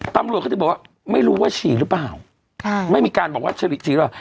ตำรวจเขาจะบอกว่าไม่รู้ว่าฉี่หรือเปล่าค่ะไม่มีการบอกว่าฉริฉี่หรือเปล่า